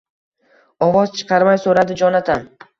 — ovoz chiqarmay so‘radi Jonatan.